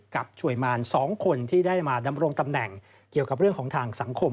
ช่วยมาร๒คนที่ได้มาดำรงตำแหน่งเกี่ยวกับเรื่องของทางสังคม